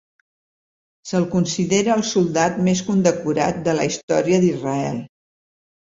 Se'l considera el soldat més condecorat de la història d'Israel.